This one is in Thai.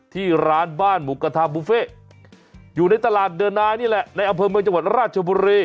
ที่ร้านบ้านหมูกระทะบุฟเฟ่อยู่ในตลาดเดินานี่แหละในอำเภอเมืองจังหวัดราชบุรี